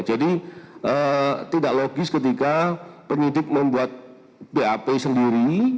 jadi tidak logis ketika penyidik membuat bap sendiri